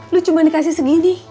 lu cuma dikasih segini